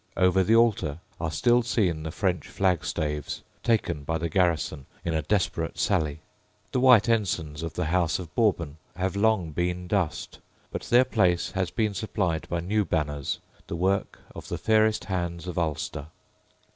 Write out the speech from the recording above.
Over the altar are still seen the French flagstaves, taken by the garrison in a desperate sally. The white ensigns of the House of Bourbon have long been dust: but their place has been supplied by new banners, the work of the fairest hands of Ulster.